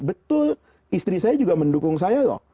betul istri saya juga mendukung saya loh